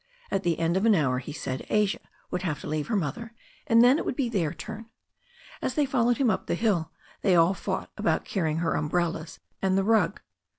At the end of an hour, he said, Asia would have to leave her mother, and then it would be their turn. As they followed him up the hill, they all fought about carrying her umbrellas and the rug.